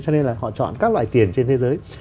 cho nên là họ chọn các loại tiền trên thế giới